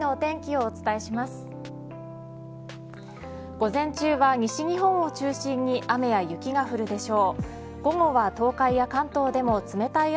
午前中は西日本を中心に雨や雪が降るでしょう。